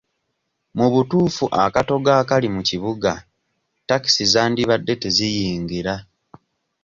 Mu butuufu akatogo akali mu kibuga takisi zandibadde teziyingira.